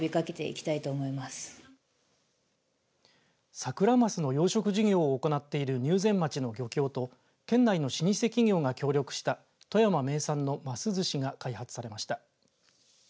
サクラマスの養殖事業を行っている入善町の漁業と県内の老舗企業が協力した富山名産のますずしが開発されました。